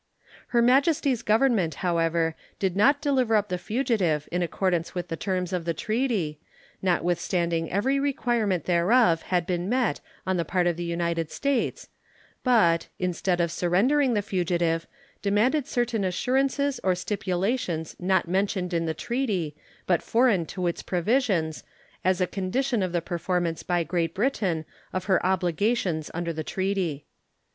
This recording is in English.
Her Majesty's Government, however, did not deliver up the fugitive in accordance with the terms of the treaty, notwithstanding every requirement thereof had been met on the part of the United States, but, instead of surrendering the fugitive, demanded certain assurances or stipulations not mentioned in the treaty, but foreign to its provisions, as a condition of the performance by Great Britain of her obligations under the treaty.